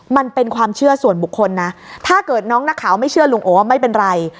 มันเป็นความเชื่อส่วนบุคคลนะถ้าเกิดน้องนักข่าวไม่เชื่อลุงโอไม่เป็นไร